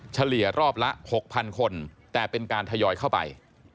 เฉลี่ยรอบละ๖๐๐๐คนแต่เป็นการทยอยเข้าไป